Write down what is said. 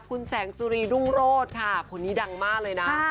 คุณแสงสุรีรุ่งโรศค่ะคนนี้ดังมากเลยนะ